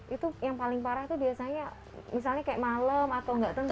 itu yang paling parah itu biasanya misalnya kayak malam atau nggak tentu